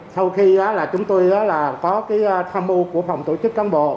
sau khi chúng tôi có tham mưu